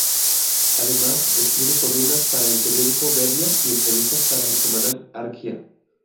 Además, escribe columnas para el periódico Berria y entrevistas para el semanal Argia.